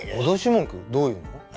どういうの？